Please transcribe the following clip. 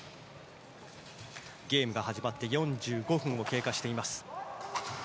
ゲームが始まって４５分が経過しています。